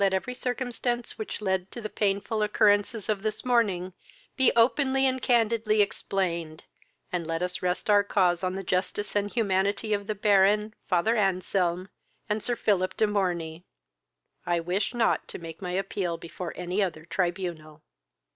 Let every circumstance which led to the painful occurrences of this morning be openly and candidly explained, and let us rest our cause on the justice and humanity of the Baron, father Anselm, and Sir Philip de Morney. I wish not to make my appeal before any other tribunal."